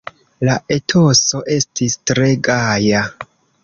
La etoso estis tre gaja.